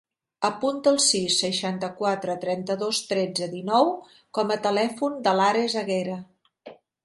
Apunta el sis, seixanta-quatre, trenta-dos, tretze, dinou com a telèfon de l'Ares Aguera.